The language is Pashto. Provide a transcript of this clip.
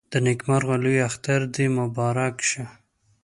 د نيکمرغه لوی اختر دې مبارک شه